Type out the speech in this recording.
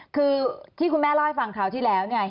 คือที่คุณแม่เล่าให้ฟังคราวที่แล้วเนี่ย